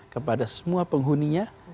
kepada semua penghuninya